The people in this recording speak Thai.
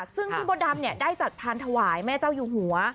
ซึ่งพี่มดดำได้จัดพานถวายแม่เจ้าอยู่หัว